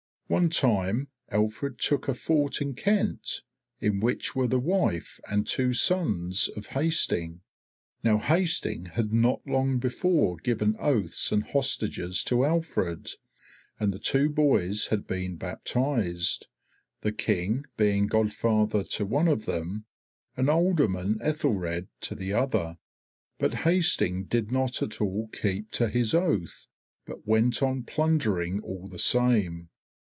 One time Alfred took a fort in Kent, in which were the wife and two sons of Hasting. Now Hasting had not long before given oaths and hostages to Alfred, and the two boys had been baptised, the King being godfather to one of them and Alderman Aethelred to the other. But Hasting did not at all keep to his oath, but went on plundering all the same.